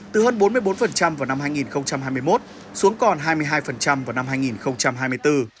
từ hơn bốn mươi bốn vào năm hai nghìn hai mươi một xuống còn hai mươi hai vào năm hai nghìn hai mươi bốn